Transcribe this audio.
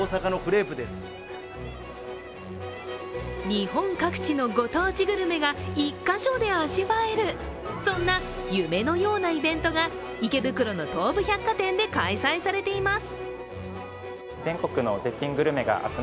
日本各地のご当地グルメが１か所で味わえる、そんな夢のようなイベントが池袋の東武百貨店で開催されています。